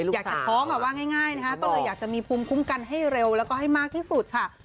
อยากจะท้องว่าง่ายนะคะก็เลยอยากจะมีภูมิคุ้มกันให้เร็วแล้วก็ให้มากที่สุดค่ะ